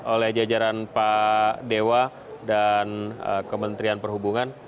oleh jajaran pak dewa dan kementerian perhubungan